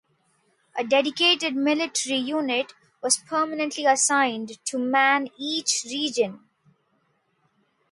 A dedicated military unit was permanently assigned to man each region.